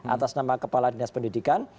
atas nama kepala dinas pendidikan